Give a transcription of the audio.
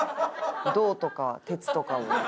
銅とか鉄とかを。